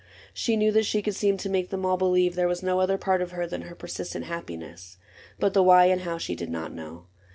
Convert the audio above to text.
She knew that she could seem to make them all Believe there was no other part of her Than her persistent happiness ; but the why And how she did not know.